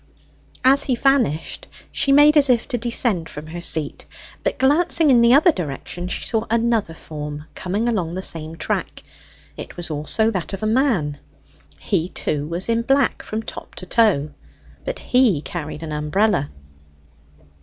As he vanished, she made as if to descend from her seat; but glancing in the other direction she saw another form coming along the same track. It was also that of a man. He, too, was in black from top to toe; but he carried an umbrella.